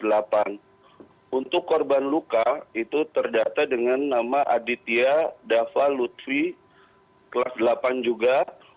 dan untuk korban luka itu terdata dengan nama aditya dava lutfi kelas delapan juga